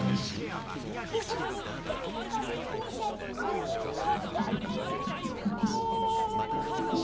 「かきごおり１，０００こたべすぎてママにおこられちゃったよ」。